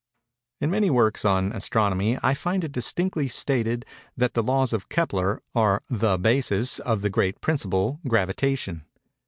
In many works on Astronomy I find it distinctly stated that the laws of Kepler are the basis of the great principle, Gravitation.